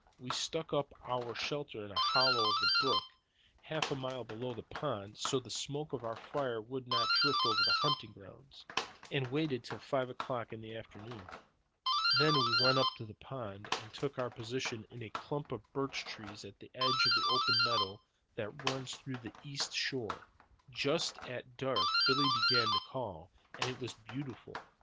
We stuck up our shelter in a hollow on the brook, half a mile below the pond, so that the smoke of our fire would not drift over the hunting ground, and waited till five o'clock in the afternoon. Then we went up to the pond, and took our position in a clump of birch trees on the edge of the open meadow that runs round the east shore. Just at dark Billy began to call, and it was beautiful.